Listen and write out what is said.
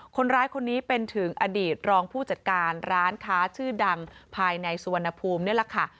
คนร้ายคนนี้เป็นถึงอดีตรองผู้จัดการร้านค้าชื่อดังภายในสุวรรณภูมินี่แหละค่ะ